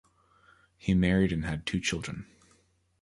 He married and had two children.